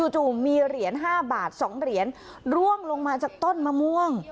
จู่มีเหรียญ๕บาท๒เหรียญร่วงลงมาจากต้นมะม่วง